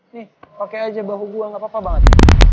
nih pakai aja bahu buah gak apa apa banget